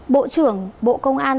bộ trưởng bộ công an